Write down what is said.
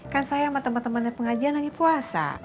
kan saya sama teman temannya pengajian lagi puasa